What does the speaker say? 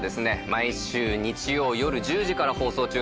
毎週日曜よる１０時から放送中です。